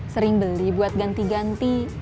sering beli buat ganti ganti